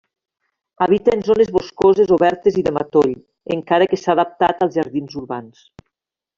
Habita en zones boscoses obertes i de matoll, encara que s'ha adaptat als jardins urbans.